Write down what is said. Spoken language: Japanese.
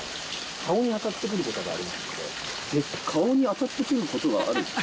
顔に当たってくることがある？